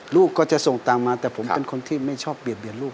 ลูกก็จะส่งตามมาแต่ผมเป็นคนที่ไม่ชอบเบียดเบียนลูก